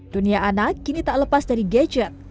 dunia anak kini tak lepas dari gadget